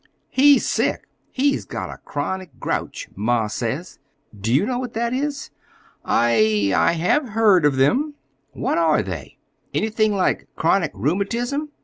"He's sick. He's got a chronic grouch, ma says. Do you know what that is?" "I—I have heard of them." "What are they? Anything like chronic rheumatism?